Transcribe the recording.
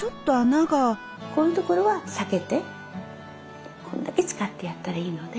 こういうところは避けてこんだけ使ってやったらいいので。